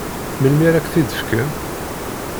Melmi ara ak-t-id-fken?